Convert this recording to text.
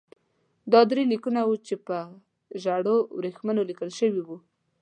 دا درې لیکونه وو چې پر ژړو ورېښمو لیکل شوي وو.